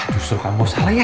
justru kamu salah ya